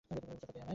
পিস্তলটা দে আমায়!